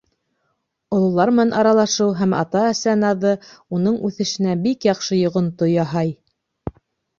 Ололар менән аралашыу һәм ата-әсә наҙы уның үҫешенә бик яҡшы йоғонто яһай.